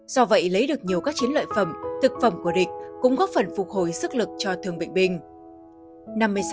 do vậy lấy được nhiều các chiến lợi phẩm thực phẩm của địch cũng góp phần phục hồi sức lực cho thương bệnh binh